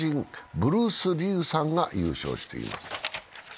ブルース・リウさんが優勝しています。